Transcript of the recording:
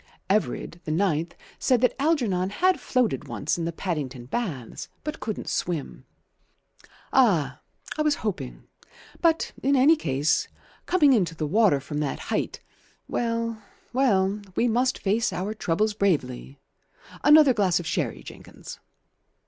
Everard, the ninth, said that Algernon had floated once in the Paddington Baths, but couldn't swim. "Ah! I was hoping But in any case, coming into the water from that height Well, well, we must face our troubles bravely. Another glass of sherry, Jenkins."